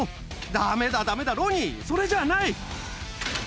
ダメだダメだロニーそれじゃない！